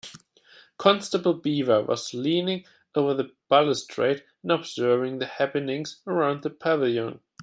Constable Beaver was leaning over the balustrade and observing the happenings around the pavilion.